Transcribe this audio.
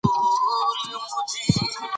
د مېلو پر مهال خلک د خپل سیمي ویاړونه شریکوي.